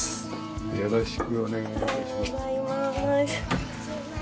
よろしくお願いします。